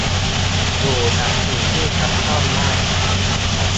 อยู่กับสิ่งที่จับต้องได้